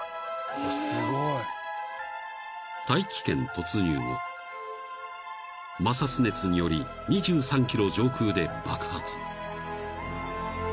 ［大気圏突入後摩擦熱により２３ｋｍ上空で爆発］